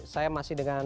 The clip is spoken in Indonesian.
saya masih dengan